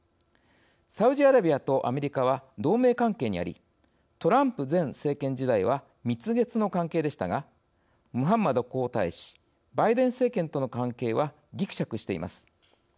サウジアラビアとアメリカは同盟関係にありトランプ前政権時代は蜜月の関係でしたがムハンマド皇太子バイデン政権との関係はぎくしゃくしています。